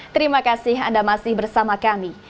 terima kasih anda masih bersama kami